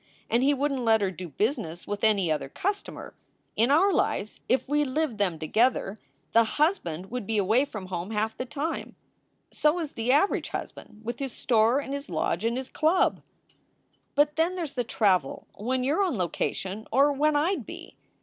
And he wouldn t let her do business with any other customer. In our lives, if we lived them together, the husband would be away from home half the time." "So is the average husband, with his store and his lodge and his club." SOULS FOR SALE 365 But then there s the travel, when you re on location or when I d be."